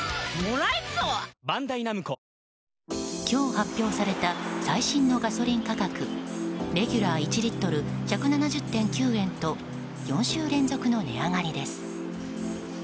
今日発表された最新のガソリン価格レギュラー１リットル１７０．９円と４週連続の値上がりです。